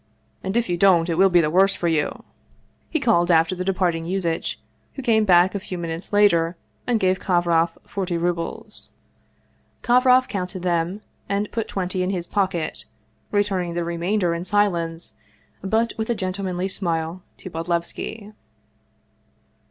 And if you don't, it will be the worse for you !" he called after the departing Yuzitch, who came back a few minutes later, and gave Kovroff forty rubles. Kovroff counted them, and put twenty in his pocket, returning the remainder in silence, but with a gentlemanly smile, to Bodlevski.